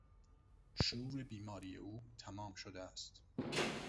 شور بیماری او تمام شده است.